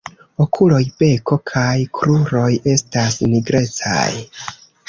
Okuloj, beko kaj kruroj estas nigrecaj.